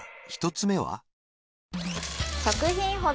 １つ目は？